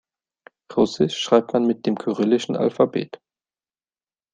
Russisch schreibt man mit dem kyrillischen Alphabet.